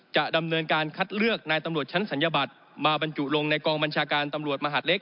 จะดำเนินการคัดเลือกนายตำรวจชั้นศัลยบัตรมาบรรจุลงในกองบัญชาการตำรวจมหาดเล็ก